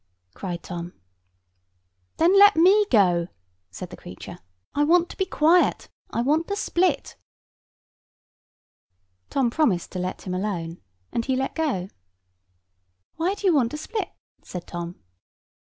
cried Tom. "Then let me go," said the creature. "I want to be quiet. I want to split." Tom promised to let him alone, and he let go. "Why do you want to split?" said Tom.